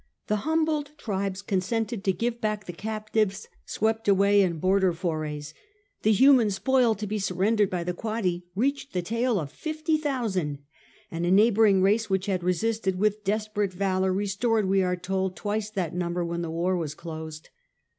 The humbled tribes consented to give back the captives swept away in border forays. The human spoil to be surrendered by the Quadi reached the tale of 50,000, and a neighbour ing race which had resisted with desperate valour re stored, we are told, twice that number when the war was closed.